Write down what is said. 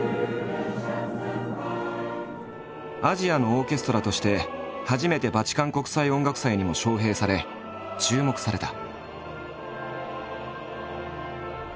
アジアのオーケストラとして初めてバチカン国際音楽祭にも招聘され注目された。